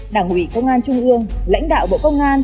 đảng ủy công an trung ương lãnh đạo bộ công an